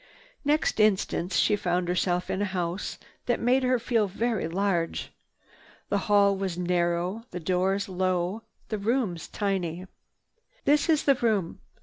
Next instant she found herself in a house that made her feel very large. The hall was narrow, the doors low, the rooms tiny. "This is the room."